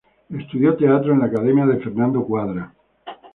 Estudió teatro en la Academia de Fernando Cuadra.